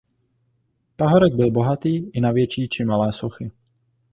Pahorek byl bohatý i na větší či malé sochy.